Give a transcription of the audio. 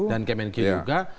dan kemenku juga